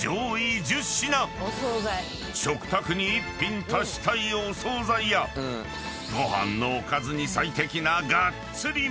［食卓に１品足したいお総菜やご飯のおかずに最適ながっつりメニュー］